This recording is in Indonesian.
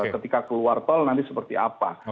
ketika keluar tol nanti seperti apa